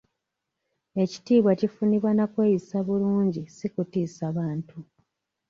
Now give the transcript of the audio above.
Ekitiibwa kifunibwa na kweyisa bulungi si kutiisa bantu.